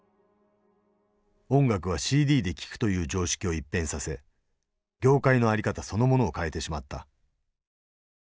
音楽はＣＤで聴くという常識を一変させ業界の在り方そのものを変えてしまった。